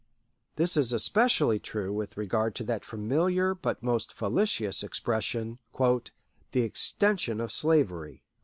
This is especially true with regard to that familiar but most fallacious expression, "the extension of slavery."